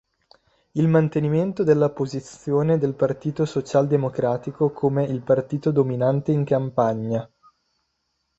Il mantenimento della posizione del partito socialdemocratico come il partito dominante in campagna.